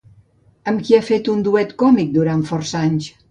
Amb qui ha fet un duet còmic durant força anys?